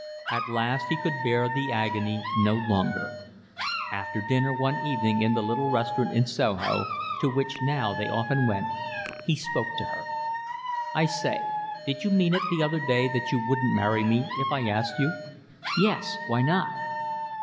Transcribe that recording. At last he could bear the agony no longer. After dinner one evening in the little restaurant in Soho, to which now they often went, he spoke to her. "I say, did you mean it the other day that you wouldn't marry me if I asked you?" "Yes, why not?"